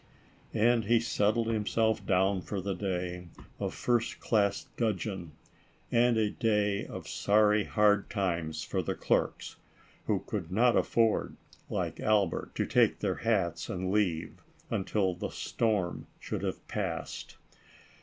49 ALICE ; OR, THE WAGES OF SIN. And he settled himself down for a day of first class dudgeon, and a day of sorry hard times for the clerks, who could not afford, like Albert, to take their hats and leave, until the storm should have passed.